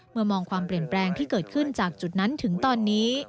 มองความเปลี่ยนแปลงที่เกิดขึ้นจากจุดนั้นถึงตอนนี้